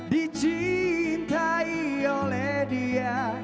dicintai oleh dia